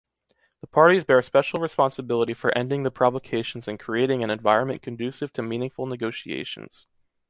The parties bear special responsibility for ending the provocations and creating an environment conducive to meaningful negotiations.